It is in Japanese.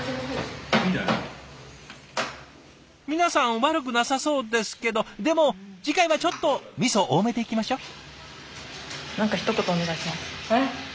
皆さん悪くなさそうですけどでも次回はちょっとみそ多めでいきましょう。